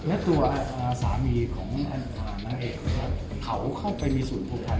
แล้วตัวสามีของน้าเอกเขาเข้าไปมีส่วนผลคัน